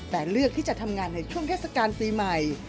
แต่เลือกที่จะทำงานในช่วงเทศกาลปีใหม่